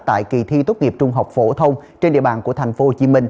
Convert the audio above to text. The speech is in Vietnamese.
tại kỳ thi tốt nghiệp trung học phổ thông trên địa bàn của tp hcm